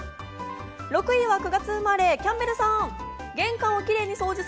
６位は９月生まれ、キャンベルさん。